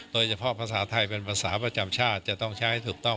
โดยเฉพาะภาษาไทยเป็นภาษาประจำชาติจะต้องใช้ให้ถูกต้อง